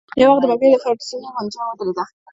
يو وخت د بګۍ د څرخونو غنجا ودرېده.